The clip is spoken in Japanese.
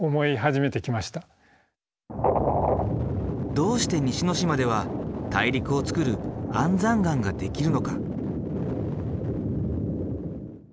どうして西之島では大陸をつくる安山岩ができるのか？